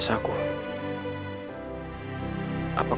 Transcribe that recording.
nih aku kepura aja anak anak